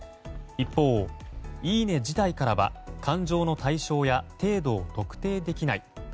一方、いいね自体からは感情の対象や程度を特定できない。